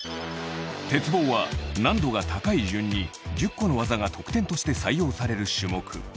鉄棒は、難度が高い順に１０個の技が得点として採用される種目。